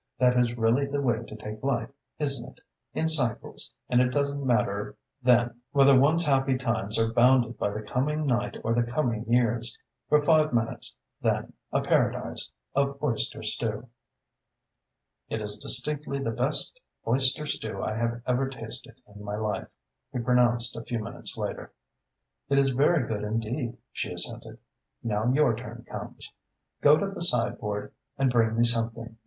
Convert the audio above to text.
That is really the way to take life, isn't it in cycles and it doesn't matter then whether one's happy times are bounded by the coming night or the coming years. For five minutes, then, a paradise of oyster stew." "It is distinctly the best oyster stew I have ever tasted in my life," he pronounced a few minutes later. "It is very good indeed," she assented. "Now your turn comes. Go to the sideboard and bring me something.